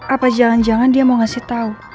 apa jangan jangan dia mau ngasih tahu